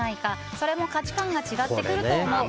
それも価値観が違ってくると思う。